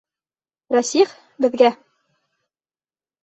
Рәсих, беҙгә!